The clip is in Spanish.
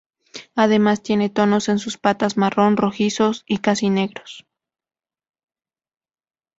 Además, tiene tonos en sus patas marrón rojizos y casi negros.